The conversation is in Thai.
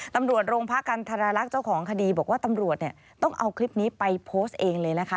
ตำรวจโรงพักกันธรรลักษณ์เจ้าของคดีบอกว่าตำรวจเนี่ยต้องเอาคลิปนี้ไปโพสต์เองเลยนะคะ